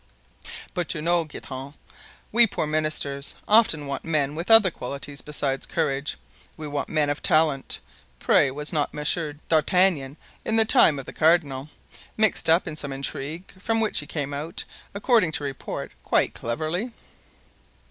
"But you know, Guitant, we poor ministers often want men with other qualities besides courage; we want men of talent. Pray, was not Monsieur d'Artagnan, in the time of the cardinal, mixed up in some intrigue from which he came out, according to report, quite cleverly?"